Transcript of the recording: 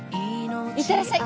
行ってらっしゃい！